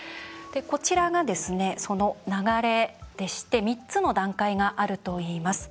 こちらが、その流れでして３つの段階があるといいます。